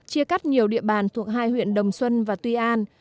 chia cắt nhiều địa bàn thuộc hai huyện đồng xuân và tuy an